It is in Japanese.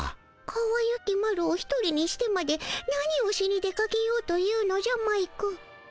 かわゆきマロを一人にしてまで何をしに出かけようというのじゃマイク。